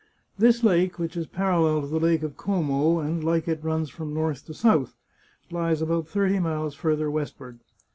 This lake, which is parallel to the Lake of Como, and, like it, runs from north to south, lies about thirty miles far ther westward.